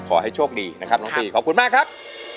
ขอให้โชคดีนะครับน้องปีขอบคุณมากครับ